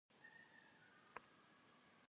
Yêplhağulh'er yêbğuetılh'ejjırkhım.